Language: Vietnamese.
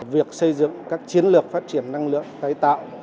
việc xây dựng các chiến lược phát triển năng lượng tái tạo